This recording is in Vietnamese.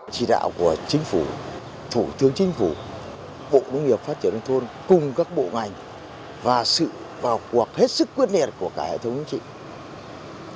chỉ đạo của chính phủ thủ tướng chính phủ bộ nông nghiệp phát triển đông thôn cùng các bộ ngành và sự vào cuộc hết sức quyết liệt của cả hệ thống chính trị